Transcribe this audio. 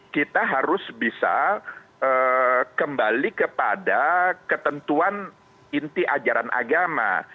kita harus bisa kembali kepada ketentuan inti ajaran agama